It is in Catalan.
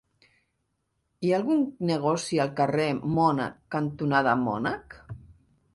Hi ha algun negoci al carrer Mònec cantonada Mònec?